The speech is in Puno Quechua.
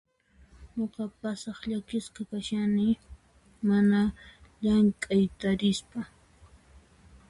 Nuqa, pasaq llakisqa kashani, mana llank'ay tarispa.